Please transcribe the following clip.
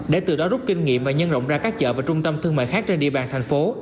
để từ đó rút kinh nghiệm và nhân rộng ra các chợ và trung tâm thương mại khác trên địa bàn thành phố